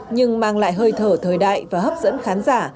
nhưng mang lại hơi thở thời đại và hấp dẫn khán giả